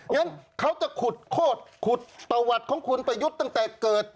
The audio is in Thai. งั้นเขาจะขุดโคตรขุดประวัติของคุณประยุทธ์ตั้งแต่เกิด